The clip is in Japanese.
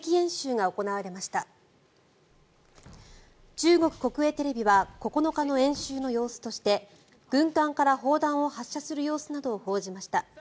中国国営テレビは９日の演習の様子として軍艦から砲弾を発射する様子などを報じました。